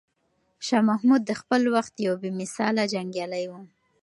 شاه محمود د خپل وخت یو بې مثاله جنګیالی و.